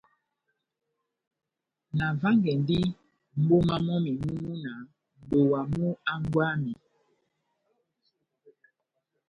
Navángɛndi mʼboma mɔ́mi mú múna nʼdowa mú hángwɛ wami.